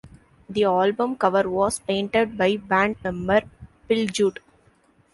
The album cover was painted by band member Phil Judd.